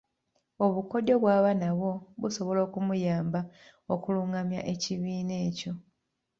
Obukodyo bw’aba nabwo busobola okumuyamba okulungamya ekibiina ekyo.